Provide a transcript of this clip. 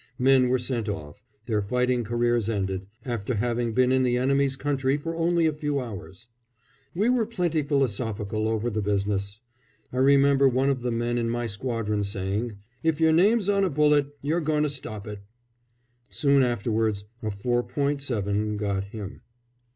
Men were sent off, their fighting careers ended, after having been in the enemy's country for only a few hours. We were pretty philosophical over the business. I remember one of the men in my squadron saying, "If your name's on a bullet you're going to stop it." Soon afterwards a four point seven got him.